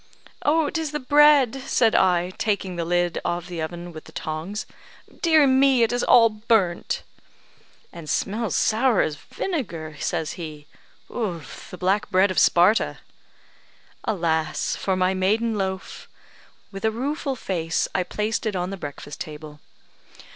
"It is the bread," said I, taking the lid of the oven with the tongs. "Dear me, it is all burnt!" "And smells as sour as vinegar," says he. "The black bread of Sparta!" Alas! for my maiden loaf! With a rueful face I placed it on the breakfast table.